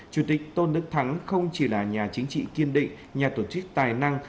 chủ tịch tôn đức thắng không chỉ là nhà chính trị kiên định nhà tổ chức tài năng